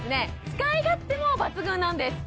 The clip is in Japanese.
使い勝手も抜群なんです